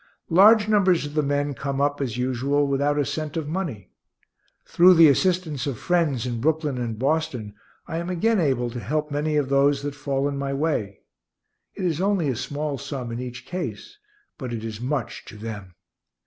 Large numbers of the men come up, as usual, without a cent of money. Through the assistance of friends in Brooklyn and Boston, I am again able to help many of those that fall in my way. It is only a small sum in each case, but it is much to them.